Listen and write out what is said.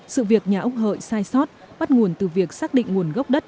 sự việc nhà ốc hợi sai sót bắt nguồn từ việc xác định nguồn gốc đất